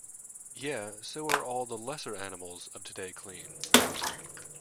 Yea, so are all the lesser animals of today clean.